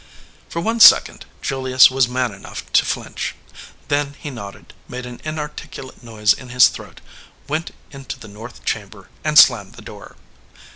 For one second Julius was man enough to flinch. Then he nodded, made an inarticulate noise in his throat, went into the north chamber, and slammed the door.